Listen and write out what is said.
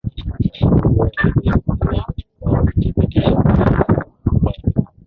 tukio hili lililo thibitisha na wizara ya mambo ya ndani